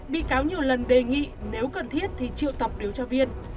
bị cáo nhiều lần đề nghị nếu cần thiết thì triệu tập điều tra viên